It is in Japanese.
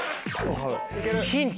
ヒント。